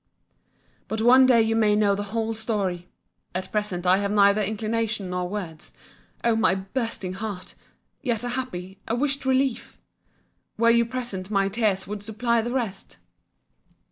— But one day you may know the whole story!—At present I have neither inclination nor words—O my bursting heart!—Yet a happy, a wished relief!—Were you present my tears would supply the rest!